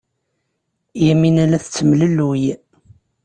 Yamina la tettemlelluy.